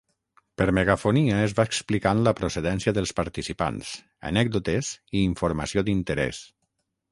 Per megafonia es va explicant la procedència dels participants, anècdotes i informació d'interès.